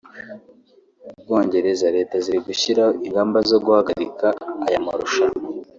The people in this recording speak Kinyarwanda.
u Bwongereza … leta ziri gushyiraho ingamba zo guhagarika aya marushanwa